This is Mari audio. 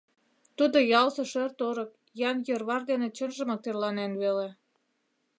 Тудо ялысе шӧр-торык, ӱян йӧрвар дене чынжымак тӧрланен веле.